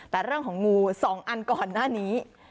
แต่เรื่องของงู๒อันก่อนหน้านี้